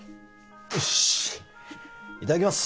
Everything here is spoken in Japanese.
よっしいただきます